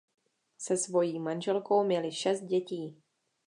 Se svojí manželkou měli šest dětí.